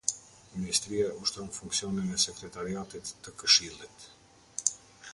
Ministria ushtron funksionin e Sekretariatit të Këshillit.